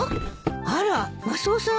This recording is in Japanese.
あらマスオさん